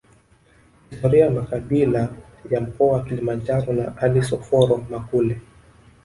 Historia ya makabila ya mkoa wa Kilimanjaro na Alice Oforo Makule